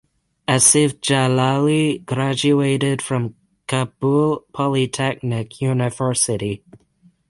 Asif Jalali graduated from Kabul Polytechnic University.